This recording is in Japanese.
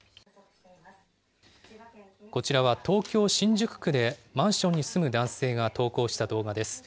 こちらは東京・新宿区でマンションに住む男性が投稿した動画です。